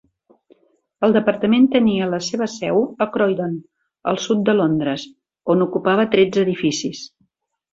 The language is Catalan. El departament tenia la seva seu a Croydon, al sud de Londres, on ocupava tretze edificis.